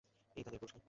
এই তাদের পুরস্কার।